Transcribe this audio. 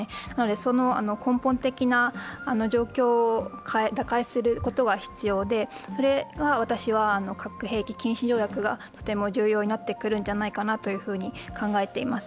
その根本的な状況を打開することが必要で、それが私は核兵器禁止条約がとても重要になってくるんじゃないかなと考えています。